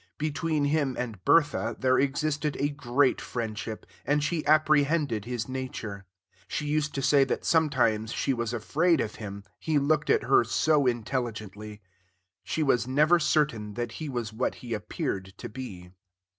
Between him and Bertha there existed a great friendship, and she apprehended his nature; she used to say that sometimes she was afraid of him, he looked at her so intelligently; she was never certain that he was what he appeared to be.